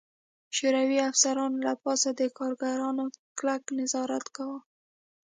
شوروي افسرانو له پاسه د کارګرانو کلک نظارت کاوه